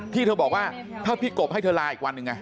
ที่เธอบอกว่าถ้าพี่กบให้เธอลาอีกวัน